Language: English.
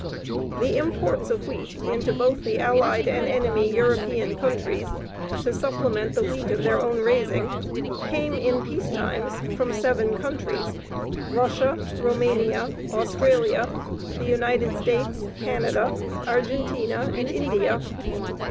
The imports of wheat into both the Allied and enemy European countries to supplement the wheat of their own raising came in peace times from seven countries Russia, Roumania, Australia, the United States, Canada, Argentina, and India.